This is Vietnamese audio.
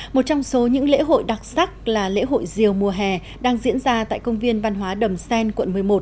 một trong số những lễ hội đặc sắc là lễ hội rìu mùa hè đang diễn ra tại công viên văn hóa đầm xen quận một mươi một